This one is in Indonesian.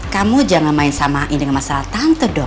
kamu jangan main sama ini dengan masalah tante dok